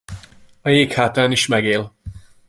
A jég hátán is megél.